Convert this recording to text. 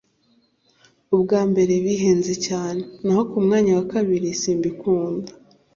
Ubwa mbere bihenze cyane naho kumwanya wa kabiri simbikunda